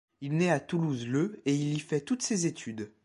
Il naît à Toulouse le et il y fait toutes ses études.